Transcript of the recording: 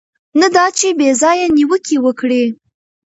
نه دا چې بې ځایه نیوکې وکړي.